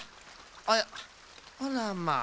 あっあらまあ